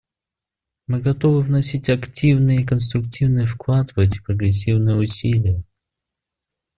Мы готовы вносить активный и конструктивный вклад в эти прогрессивные усилия.